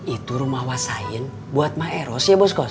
itu rumah wasain buat maeros ya bos kos